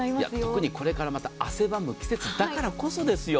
特にこれからまた汗ばむ季節だからこそですよ。